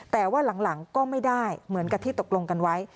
แต่ว่าหลังก็ไม่ได้เหมือนกับที่ตกลงกันไว้